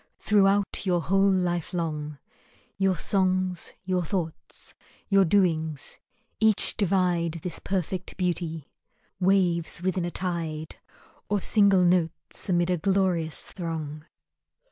Throughout your whole life long Your songs, your thoughts, your doings, each divide This perfect beauty; waves within a tide, Or single notes amid a glorious throng.